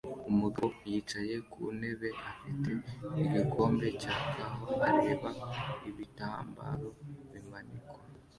Umugabo yicaye ku ntebe afite igikombe cya kawa areba ibitambaro bimanikwa